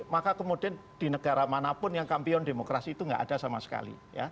maka kemudian di negara manapun yang kampion demokrasi itu nggak ada sama sekali